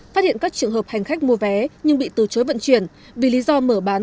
phát hiện các trường hợp hành khách mua vé nhưng bị từ chối vận chuyển vì lý do mở bán